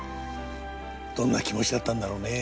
どんな気持ちだったんだろうね。